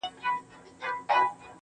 د افسوس ځای او د افغانانو د بدبختۍ